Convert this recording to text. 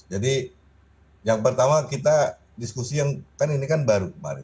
jadi yang pertama kita diskusi yang kan ini kan baru kemarin